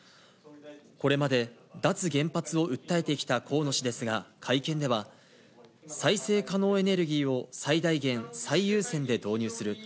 これまで脱原発を訴えてきた河野氏ですが、会見では、再生可能エネルギーを最大限・最優先で導入する。